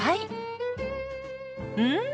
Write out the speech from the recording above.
うん！